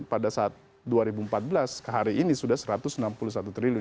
pada saat dua ribu empat belas hari ini sudah rp satu ratus enam puluh satu triliun